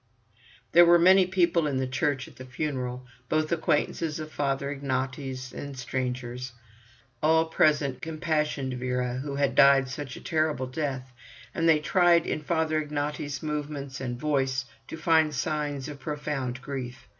There were many people in the church at the funeral, both acquaintances of Father Ignaty's and strangers. All present compassionated Vera, who had died such a terrible death, and they tried in Father Ignaty's movements and voice to find signs of profound grief.